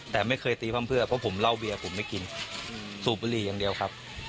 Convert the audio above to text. แต่ไม่เคยตีเพลิงเพื่อพวกผมเวียผมไม่กินสูปลีอย่างเดียวครับ